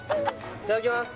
いただきます